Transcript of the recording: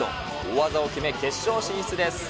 大技を決め、決勝進出です。